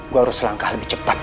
gue harus langkah lebih cepat